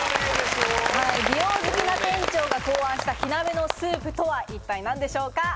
美容好きな店長が考案した火鍋のスープとは、一体何でしょうか。